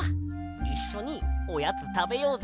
いっしょにおやつたべようぜ。